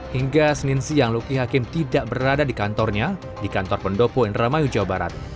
hingga senin siang luki hakim tidak berada di kantornya di kantor pendopo indramayu jawa barat